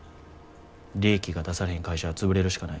利益が出されへん会社は潰れるしかない。